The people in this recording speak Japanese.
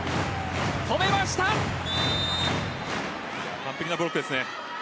完璧なブロックですね。